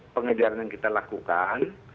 pengejaran yang kita lakukan